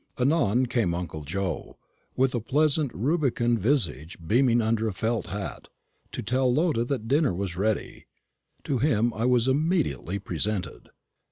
Anon came uncle Joe, with a pleasant rubicund visage beaming under a felt hat, to tell Lotta that dinner was ready. To him I was immediately presented.